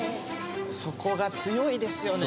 そこが強いですよね